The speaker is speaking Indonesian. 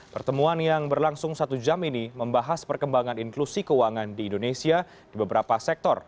pertemuan yang berlangsung satu jam ini membahas perkembangan inklusi keuangan di indonesia di beberapa sektor